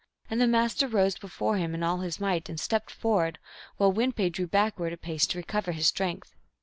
And the Master rose before him in all his might, and stepped forward, while Win pe drew backward a pace to recover his strength.